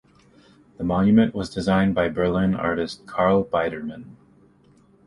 The monument was designed by Berlin artist Karl Biedermann.